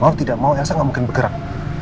mau tidak mau elsa ga mungkin bergerak